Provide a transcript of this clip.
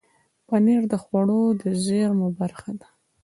پنېر د خوړو د زېرمو برخه ده.